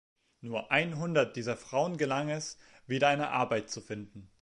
Nur einhundert dieser Frauen gelang es, wieder eine Arbeit zu finden.